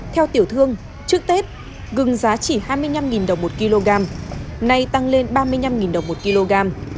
theo tiểu thương trước tết gừng giá chỉ hai mươi năm đồng một kg nay tăng lên ba mươi năm đồng một kg